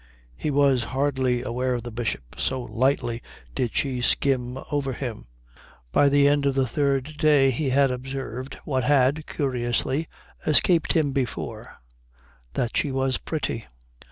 He was hardly aware of the Bishop, so lightly did she skim over him. By the end of the third day he had observed what had, curiously, escaped him before, that she was pretty.